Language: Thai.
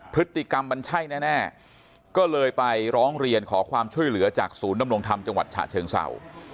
พฤติกรรมมันใช่แน่แน่ก็เลยไปร้องเรียนขอความช่วยเหลือจากศูนย์นำลงทำจังหวัดชาวเชิงซาว